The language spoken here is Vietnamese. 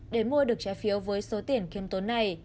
để mua được trái phiếu với số tiền khiêm tốn này